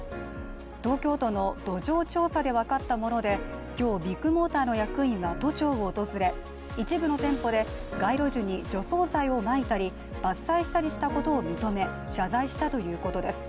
東京都の土壌調査で分かったもので、今日ビッグモーターの役員は都庁を訪れ一部の店舗で街路樹に除草剤をまいたり伐採したりしたことを認め、謝罪したということです。